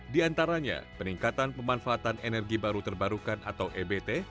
di antaranya peningkatan pemanfaatan energi baru terbarukan atau ebt